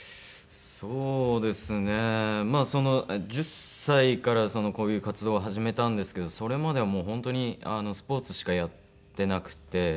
そうですねまあその１０歳からこういう活動を始めたんですけどそれまではもう本当にスポーツしかやってなくて。